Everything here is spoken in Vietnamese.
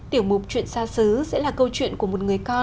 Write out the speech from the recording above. tiểu mục chuyện xa xứ